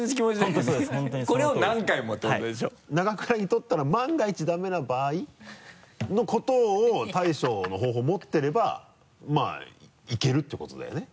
永倉にとったら万が一ダメな場合のことを対処の方法を持ってればまぁいけるってことだよね。